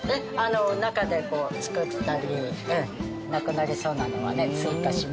中で作ったりなくなりそうなのはね追加します。